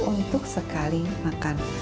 untuk sekali makan